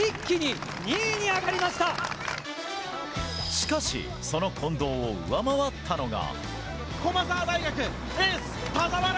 しかしその近藤を上回ったのが。